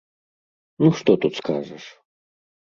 Ну што тут скажаш?